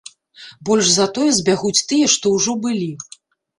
Больш за тое, збягуць тыя, што ўжо былі.